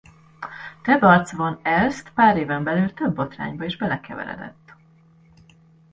Tebartz-van Elst pár éven belül több botrányba is belekeveredett.